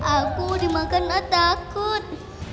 aku dimakan takut